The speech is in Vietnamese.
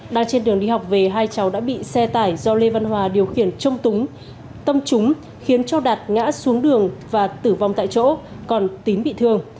đang trên đường đi học về hai cháu đã bị xe tải do lê văn hòa điều khiển trông túng tâm chúng khiến cho đạt ngã xuống đường và tử vong tại chỗ còn tín bị thương